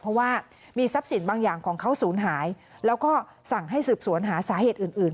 เพราะว่ามีทรัพย์สินบางอย่างของเขาศูนย์หายแล้วก็สั่งให้สืบสวนหาสาเหตุอื่น